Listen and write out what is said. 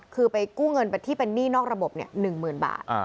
คือไปกู้เงินที่เป็นหนี้นอกระบบเนี่ยหนึ่งหมื่นบาท